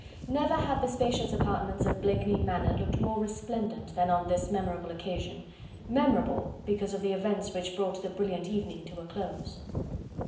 Never had the spacious apartments of Blakeney Manor looked more resplendent than on this memorable occasion memorable because of the events which brought the brilliant evening to a close.